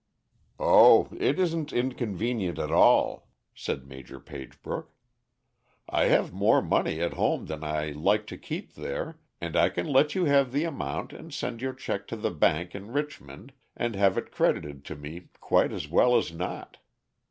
"O it isn't inconvenient at all," said Major Pagebrook. "I have more money at home than I like to keep there, and I can let you have the amount and send your check to the bank in Richmond and have it credited to me quite as well as not.